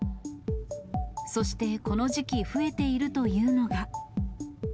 そしてこの時期、増えているというのが。